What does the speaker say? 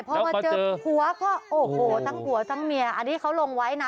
พอมาเจอผัวก็โอ้โหทั้งผัวทั้งเมียอันนี้เขาลงไว้นะ